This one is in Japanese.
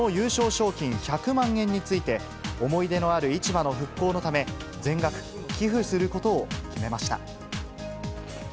賞金１００万円について、思い出のある市場の復興のため、全額寄付することを決めました。